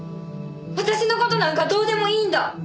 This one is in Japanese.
私の事なんかどうでもいいんだ！